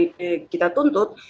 jadi kita tuntut